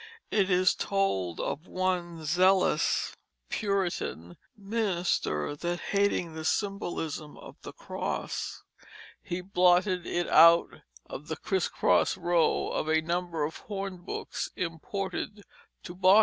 It is told of one zealous Puritan minister that hating the symbolism of the cross he blotted it out of the criss cross row of a number of hornbooks imported to Boston.